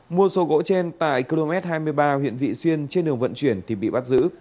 mua số gỗ trên tại km hai mươi ba huyện vị xuyên trên đường vận chuyển thì bị bắt giữ